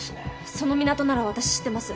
その港なら私知ってます。